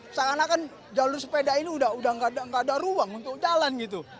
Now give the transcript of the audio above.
seakan akan jalur sepeda ini udah nggak ada ruang untuk jalan gitu